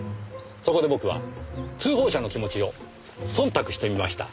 そこで僕は通報者の気持ちを忖度してみました。